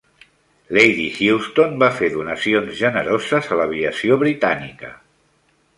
Lady Houston va fer donacions generoses a l'aviació britànica.